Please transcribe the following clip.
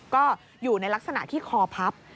ก็อยู่ในลักษณะที่คอพับ